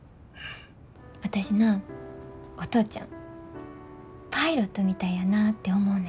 私なお父ちゃんパイロットみたいやなて思うねん。